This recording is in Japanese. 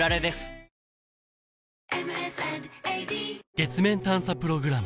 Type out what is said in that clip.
月面探査プログラム